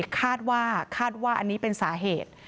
คาดว่าคาดว่าอันนี้เป็นสาเหตุ